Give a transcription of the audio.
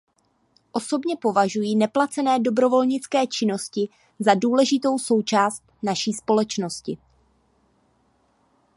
Osobně považuji neplacené dobrovolnické činnosti za důležitou součást naší společnosti.